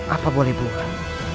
apa boleh bukan